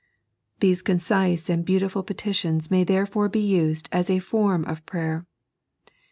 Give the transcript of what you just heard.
These concise and beautiful petitions may therefore be used as a form of prayer.